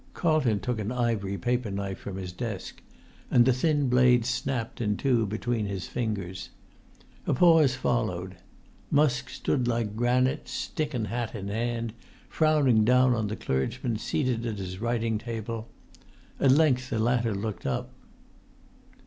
Carlton took an ivory paper knife from his desk, and the thin blade snapped in two between his fingers. A pause followed. Musk stood like granite, stick and hat in hand, frowning down on the clergyman seated at his writing table. At length the latter looked up.